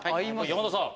山田さん。